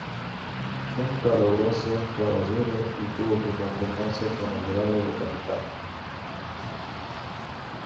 Nunca logró ser Caballero y tuvo que conformarse con el grado de Capitán.